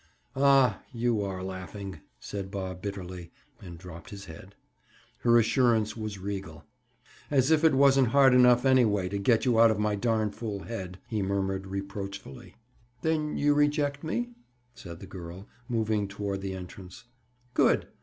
"Ah, you are laughing," said Bob bitterly, and dropped his head. Her assurance was regal. "As if it wasn't hard enough, anyway, to get you out of my darn fool head," he murmured reproachfully. "Then you reject me?" said the girl, moving toward the entrance. "Good!